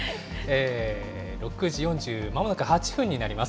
６時４０、まもなく８分になります。